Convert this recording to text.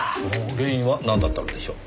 原因はなんだったのでしょう？